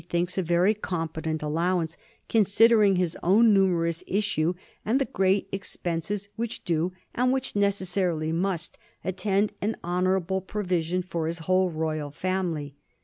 COHFABISONa 87 thinks a very competent allowance, considering bis own numerous issue and the great expenses which do, and which necessarily must, attend an honorable provision for his whole royal family.